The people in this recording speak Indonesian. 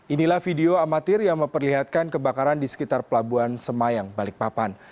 inilah video amatir yang memperlihatkan kebakaran di sekitar pelabuhan semayang balikpapan